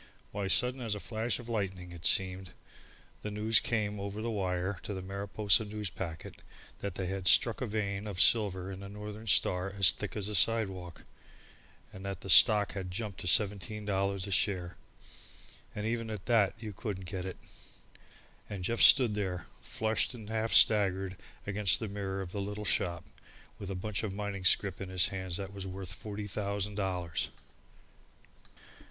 Why, sudden as a flash of lightning, it seemed, the news came over the wire to the Mariposa Newspacket, that they had struck a vein of silver in the Northern Star as thick as a sidewalk, and that the stock had jumped to seventeen dollars a share, and even at that you couldn't get it! And Jeff stood there flushed and half staggered against the mirror of the little shop, with a bunch of mining scrip in his hand that was worth forty thousand dollars!